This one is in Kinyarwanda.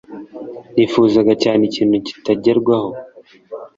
Nifuzaga cyane ikintu kitagerwaho.